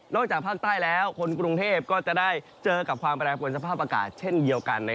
จากภาคใต้แล้วคนกรุงเทพก็จะได้เจอกับความแปรปวนสภาพอากาศเช่นเดียวกัน